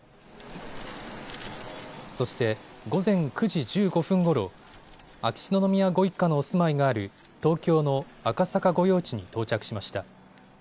そして午前９時１５分ごろ、秋篠宮ご一家のお住まいがある東京の赤坂御用地に到着しました。